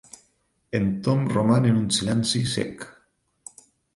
El Tom roman en un silenci cec.